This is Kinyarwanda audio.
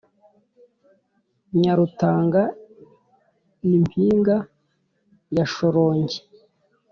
nyarutanga ni mpinga ya shorongi